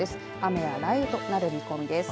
雨や雷雨となる見込みです。